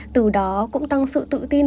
từ đó cũng tăng sự tự tin